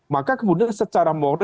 maka kemudian secara maksimal